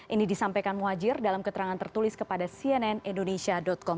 ini disampaikan muhajir dalam keterangan tertulis kepada cnn indonesia com